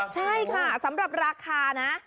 ใช่ค่ะสำหรับราคานะ